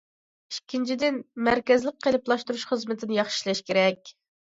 ئىككىنچىدىن، مەركەزلىك قېلىپلاشتۇرۇش خىزمىتىنى ياخشى ئىشلەش كېرەك.